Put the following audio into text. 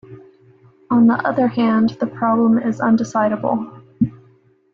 On the other hand the problem is undecidable.